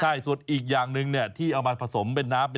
ใช่ส่วนอีกอย่างหนึ่งเนี่ยที่เอามาผสมเป็นน้ำเป็น